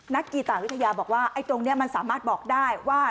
กีตาวิทยาบอกว่าไอ้ตรงนี้มันสามารถบอกได้ว่า